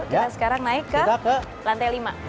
kita sekarang naik ke lantai lima